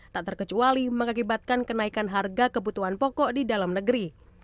tak terkecuali mengakibatkan kenaikan harga kebutuhan pokok di dalam negeri